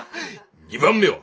２番目は？